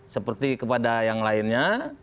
seperti kepada yang lainnya